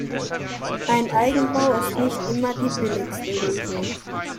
Ein Eigenbau ist nicht immer die billigste Lösung.